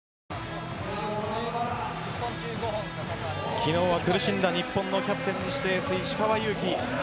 昨日は苦しんだ日本のキャプテン石川祐希。